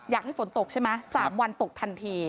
อยากให้ฝนตกใช่ไหม๓วันตกทันที